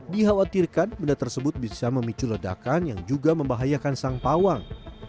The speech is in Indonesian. dikhawatirkan benda tersebut bisa memicu ledakan yang juga membahayakan sang pawang